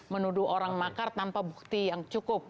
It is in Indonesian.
menuduh orang makar tanpa bukti yang cukup